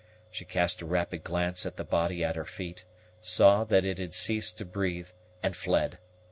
She cast a rapid glance at the body at her feet, saw that it had ceased to breathe, and fled.